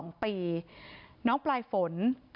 เงินจะเข้าเวรนี่ค่ะ